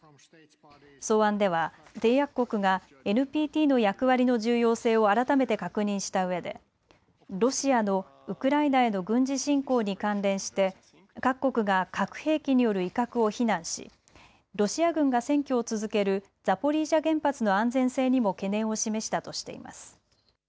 草案では締約国がＮＰＴの役割の重要性を改めて確認したうえでロシアのウクライナへの軍事侵攻に関連して各国が核兵器による威嚇を非難しロシア軍が占拠を続けるザポリージャ原発の安全性にも懸念を示したとしています。